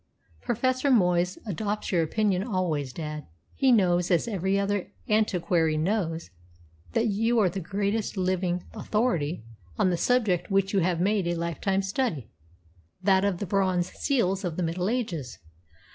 "Professor Moyes adopts your opinion always, dad. He knows, as every other antiquary knows, that you are the greatest living authority on the subject which you have made a lifetime study that of the bronze seals of the Middle Ages."